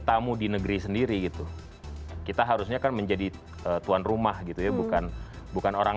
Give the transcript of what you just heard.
tamu di negeri sendiri gitu kita harusnya kan menjadi tuan rumah gitu ya bukan bukan orang